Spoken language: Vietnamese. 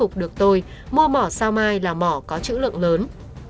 phục được tôi mua mỏ sao mai là mỏ có chữ lượng lớn